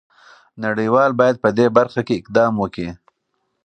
نړۍ وال باید په دې برخه کې اقدام وکړي.